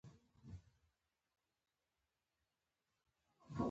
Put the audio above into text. ما د ده په ځواب کې هیڅ ونه ویل.